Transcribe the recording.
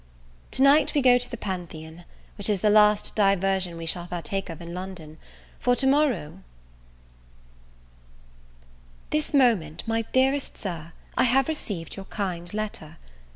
To night we go to the Pantheon, which is the last diversion we shall partake of in London; for to morrow This moment, my dearest Sir, I have received your kind letter.